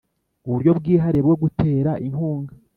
uburyo bwihariye bwo gutera inkunga